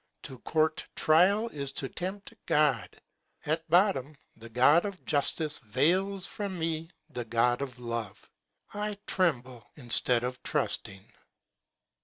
To court trial is to tempt God. At bottom, the God of justice veils from me the God of love. I tremble instead of trusting.